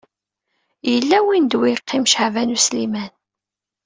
Yella win d wi yeqqim Caɛban U Sliman.